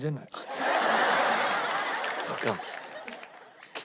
そっか。